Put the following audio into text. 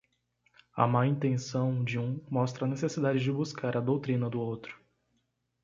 A má intenção de um mostra a necessidade de buscar a doutrina do outro.